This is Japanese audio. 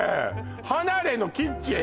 離れのキッチン？